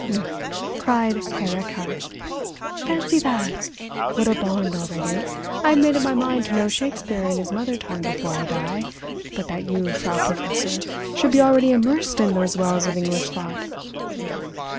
"Nu," cried Herr Erchardt. "Fancy that! What a bond already! I have made up my mind to know Shakespeare in his mother tongue before I die, but that you, Frau Professor, should be already immersed in those wells of English thought!"